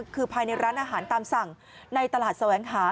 คือภายในร้านอาหารตามสั่งในตลาดแสวงหา